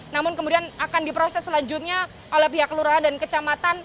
namun kemudian akan diproses selanjutnya oleh pihak lurahan dan kecamatan